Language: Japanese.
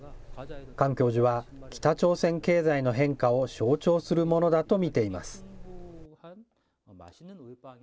カン教授は、北朝鮮経済の変化を象徴するものだと見ています。